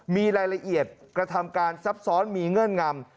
มีรายละเอียดกระทำการซับซ้อนมีเงื่อนงำ